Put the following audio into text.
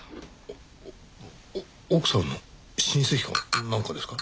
おっおっ奥様の親戚かなんかですか？